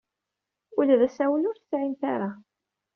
Ula d asawal ur t-sɛint ara.